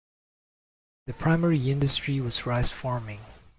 The primary industry was rice farming.